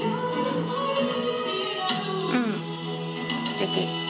うんすてき。